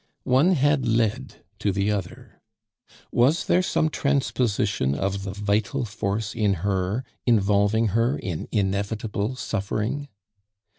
One had led to the other. Was there some transposition of the vital force in her involving her in inevitable suffering?